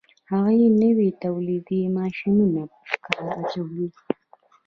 هغه نوي تولیدي ماشینونه په کار اچوي